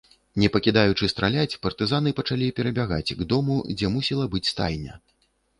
Не пакідаючы страляць, партызаны пачалі перабягаць к дому, дзе мусіла быць стайня.